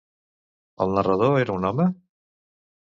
El narrador era un home?